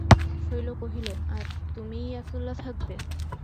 শৈল কহিল, আর, তুমিই একলা থাকবে?